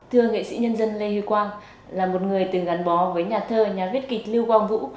thưa nghệ sĩ nhân dân lê huy quang là một người từng gắn bó với nhà thơ nhà viết kịch lưu quang vũ